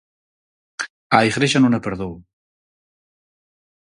Á Igrexa non a perdoo.